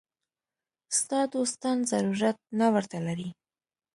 ستا دوستان ضرورت نه ورته لري.